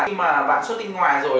khi mà bạn suất tinh ngoài rồi